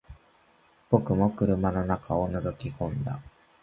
僕も車の中を覗き込んだ